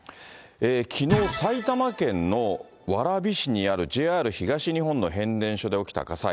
きのう、埼玉県の蕨市にあるＪＲ東日本の変電所で起きた火災。